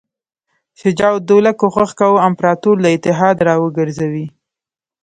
شجاع الدوله کوښښ کاوه امپراطور له اتحاد را وګرځوي.